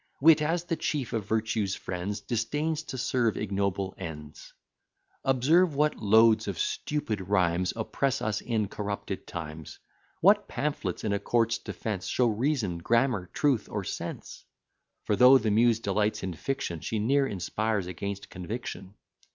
Wit, as the chief of virtue's friends, Disdains to serve ignoble ends. Observe what loads of stupid rhymes Oppress us in corrupted times; What pamphlets in a court's defence Show reason, grammar, truth, or sense? For though the Muse delights in fiction, She ne'er inspires against conviction.